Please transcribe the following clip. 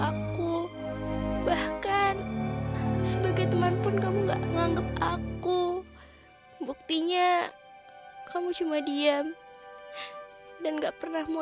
aku bahkan sebagai teman pun kamu enggak menganggap aku buktinya kamu cuma diam dan enggak pernah mau